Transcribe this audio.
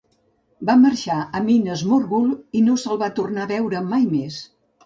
Va marxar a Minas Morgul i no se'l va tornar a veure mai més.